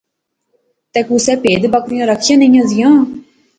تے کُسے پہید بکریاں رکھیاں نیاں زیاں